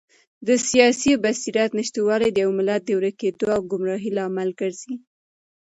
د سیاسي بصیرت نشتوالی د یو ملت د ورکېدو او ګمراهۍ لامل ګرځي.